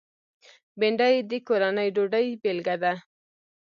بېنډۍ د کورني ډوډۍ بېلګه ده